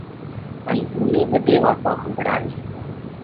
ان زُوني ٻڌي واتون ۿمڀۯاوي۔